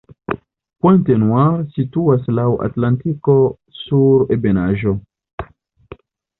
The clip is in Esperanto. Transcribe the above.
Pointe-Noire situas laŭ Atlantiko sur ebenaĵo.